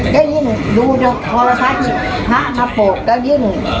ก็ยิ่งดูพระพระพระมาโปรดก็ยิ่ง